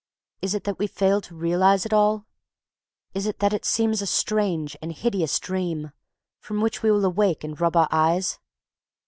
Is it that we fail to realize it all? Is it that it seems a strange and hideous dream, from which we will awake and rub our eyes?